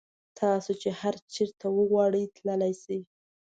تاسو چې هر چېرته وغواړئ تللی شئ.